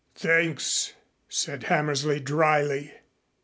"Thanks," said Hammersley dryly.